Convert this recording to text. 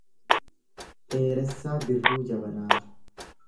Dheeressaa Birruu Jabanaa